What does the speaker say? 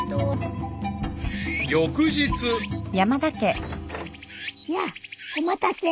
［翌日］やあお待たせ。